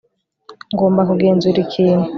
ngomba kugenzura ikintu